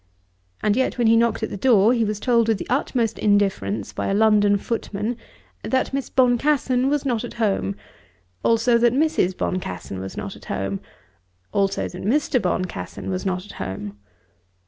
And yet when he knocked at the door, he was told with the utmost indifference by a London footman, that Miss Boncassen was not at home, also that Mrs. Boncassen was not at home; also that Mr. Boncassen was not at home.